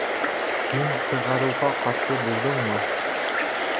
Һин сығарыуға ҡаршы булдыңмы?